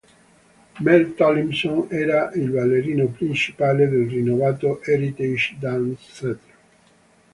Mel Tomlinson era il ballerino principale del rinnovato Heritage Dance Theatre.